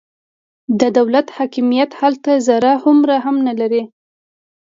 د دولت حاکمیت هلته ذره هومره هم نه لري.